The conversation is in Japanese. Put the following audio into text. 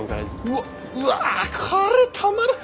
うわっうわこれたまらん！